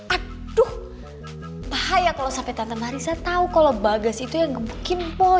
aduh bahaya kalau sampai tante marissa tahu kalau bagas itu yang gebukin boy